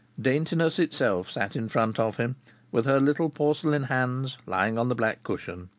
Daintiness itself sat in front of him, with her little porcelain hands lying on the black cushion.